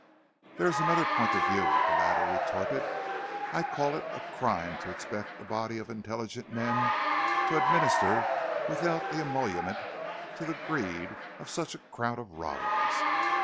"There is another point of view," the latter retorted. "I call it a crime to expect a body of intelligent men to administer without emolument to the greed of such a crowd of rotters.